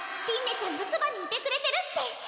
ちゃんがそばにいてくれてるって。